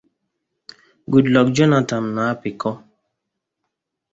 Goodluck Jonathan na-apịkọ